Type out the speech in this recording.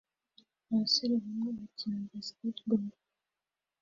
Abasore bamwe bakina basketball